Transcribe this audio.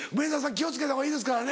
気を付けたほうがいいですからね。